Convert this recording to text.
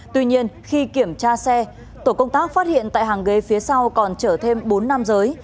tuy nhiên khi kiểm tra xe tổ công tác phát hiện tại hàng ghế phía sau còn chở thêm bốn nam giới